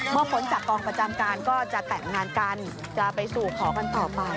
พ้นจากกองประจำการก็จะแต่งงานกันจะไปสู่ขอกันต่อไป